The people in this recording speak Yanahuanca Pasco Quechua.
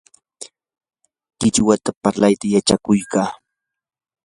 ¿qichwata parlayta yachankiyku?